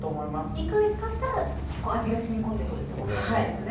１か月たったら味が染み込んでくるってことなんですね。